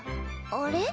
あれ？